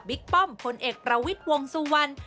บิ๊กป้อมคนเอกประวิทย์วงสุวรรณ